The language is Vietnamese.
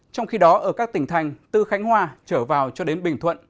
trong khi đó ở các tỉnh thành từ khánh hòa trở vào cho đến bình thuận